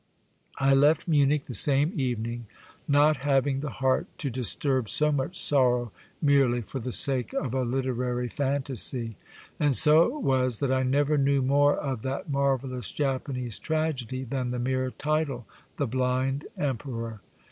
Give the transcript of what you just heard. I left Munich the same evening, not having the heart to disturb so much sorrow merely for the sake of a literary fantasy, and so it was that I never knew more of that marvellous Japanese tragedy than the mere title : The Blind Emperor